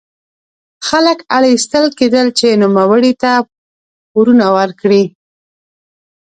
خلک اړ ایستل کېدل چې نوموړي ته پورونه ورکړي.